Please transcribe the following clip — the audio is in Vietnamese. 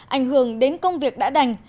ảnh hưởng đến công việc đã đành